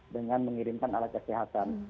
dengan mengirimkan alat kesehatan